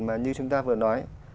mà như chúng ta vừa nói